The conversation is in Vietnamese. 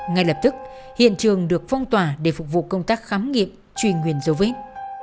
ngay lập tức hiện trường được phong tỏa để phục vụ công tác khám nghiệm truy nguyên dấu vết